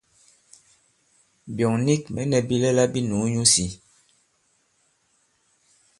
Byɔ̂ŋ nik mɛ̌ nɛ̄ bilɛla bī nùu nyu isī.